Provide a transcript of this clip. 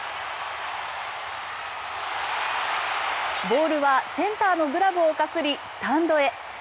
ボールはセンターのグラブをかすりスタンドへ。